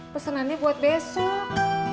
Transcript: pesenannya buat besok